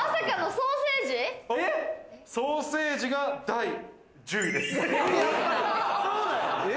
ソーセージが第１０位です。